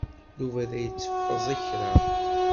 Yuba la itteffeẓ kra.